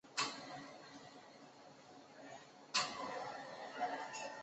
杜月笙十分高兴。